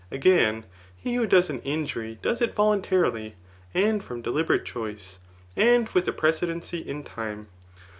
Again, he who does an injury does it voluntarily, and from deliberate choice, and with a precedency in time.